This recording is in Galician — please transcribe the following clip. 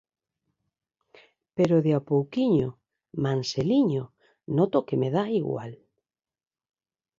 Pero de a pouquiño, manseliño, noto que me dá igual: